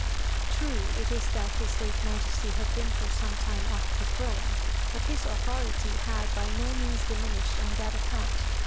True, it is that his late Majesty had been for some time off the throne, but his authority had by no means diminished on that account.